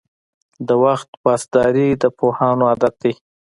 • د وخت پاسداري د پوهانو عادت دی.